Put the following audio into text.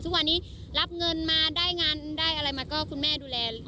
ทุกวันนี้รับเงินมาได้งานได้อะไรมาก็คุณแม่ดูแล